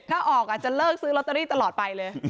ถ้าออกอาจจะเลิกซื้อลอตเตอรี่ตลอดไปเลย